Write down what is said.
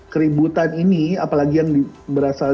keributan ini apalagi yang berasal